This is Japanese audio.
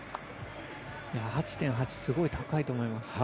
８．８すごい高いと思います。